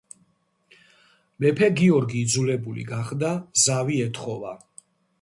მეფე გიორგი იძულებული გახდა ზავი ეთხოვა.